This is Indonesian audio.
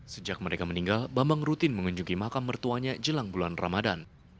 sejak mereka meninggal bambang rutin mengunjungi makam mertuanya jelang bulan ramadan